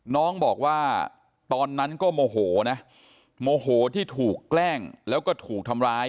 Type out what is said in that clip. น้องบอกว่าตอนนั้นก็โมโหนะโมโหที่ถูกแกล้งแล้วก็ถูกทำร้าย